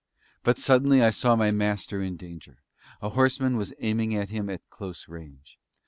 But suddenly I saw my Master in danger; a horseman was aiming at him at close range.